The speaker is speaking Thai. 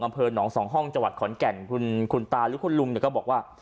อำเภอหนองสองห้องจังหวัดขอนแก่นคุณตาหรือคุณลุงเนี่ยก็บอกว่า